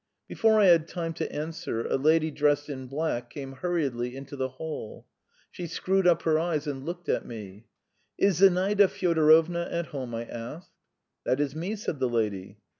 Before I had time to answer, a lady dressed in black came hurriedly into the hall. She screwed up her eyes and looked at me. "Is Zinaida Fyodorovna at home?" I asked. "That is me," said the lady.